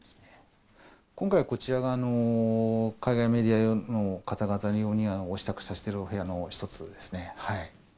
今回こちらが、海外メディア用の方々にお支度しているお部屋の一つですね。